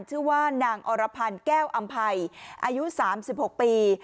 ชื่อว่านางอรพันธ์แก้วอำภัยอายุ๓๖ปี